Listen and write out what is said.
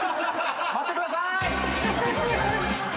待ってください！